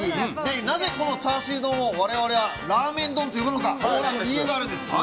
なぜこのチャーシュー丼を我々はラーメン丼と呼ぶのか。